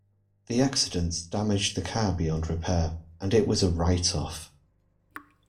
The accident damaged the car beyond repair, and it was a write-off